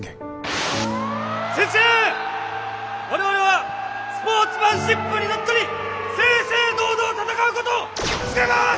我々はスポーツマンシップにのっとり正々堂々戦うことを誓います！